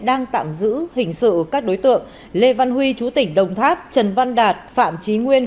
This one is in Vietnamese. đang tạm giữ hình sự các đối tượng lê văn huy chú tỉnh đồng tháp trần văn đạt phạm trí nguyên